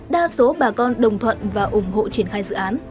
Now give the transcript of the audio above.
đa số bà con đồng thuận và ủng hộ triển khai